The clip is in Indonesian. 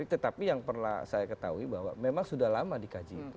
tetapi yang pernah saya ketahui bahwa memang sudah lama dikaji itu